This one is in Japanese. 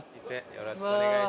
よろしくお願いします。